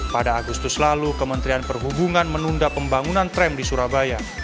pada agustus lalu kementerian perhubungan menunda pembangunan tram di surabaya